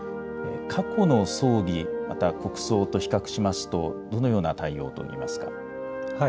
過去の葬儀、また国葬と比較しますと、どのような対応と見ますか。